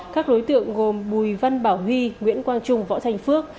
các đối tượng gồm bùi văn bảo huy nguyễn quang trung võ thành phước